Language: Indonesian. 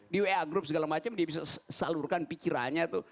di wa group segala macam dia bisa salurkan pikirannya tuh